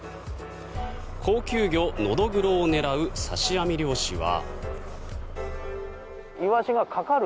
高級魚ノドグロを狙う刺し網漁師は。